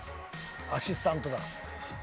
アシスタントだ。